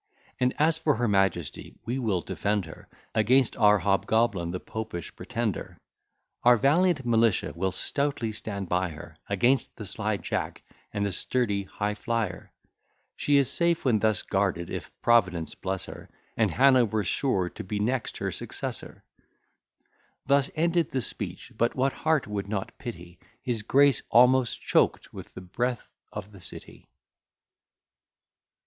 And as for her Majesty, we will defend her Against our hobgoblin, the Popish Pretender. Our valiant militia will stoutly stand by her, Against the sly Jack, and the sturdy High flier. She is safe when thus guarded, if Providence bless her, And Hanover's sure to be next her successor. Thus ended the speech, but what heart would not pity His Grace, almost choked with the breath of the City!